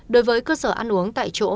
đối với cơ sở ăn uống tại chỗ